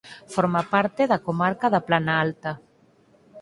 Forma parte da comarca da Plana Alta.